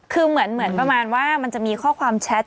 คือเหมือนประมาณว่ามันจะมีข้อความแชท